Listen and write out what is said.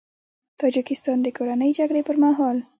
د تاجیکستان د کورنۍ جګړې پر مهال